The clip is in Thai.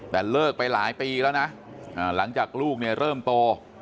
แต่เลิกไปหลายปีแล้วนะหลังจากลูกเนี่ยเริ่มโต